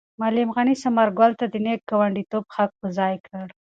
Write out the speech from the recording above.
معلم غني ثمر ګل ته د نېک ګاونډیتوب حق په ځای کړ.